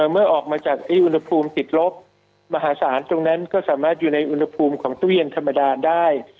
เมื่อออกมาจากอุณหภูมิติดลบมหาศาลตรงนั้นก็สามารถอยู่ในอุณหภูมิของตู้เย็นธรรมดาได้